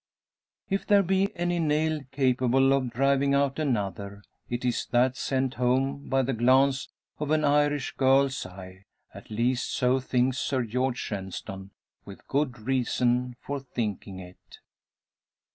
If there be any nail capable of driving out another, it is that sent home by the glance of an Irish girl's eye at least so thinks Sir George Shenstone, with good reason for thinking it.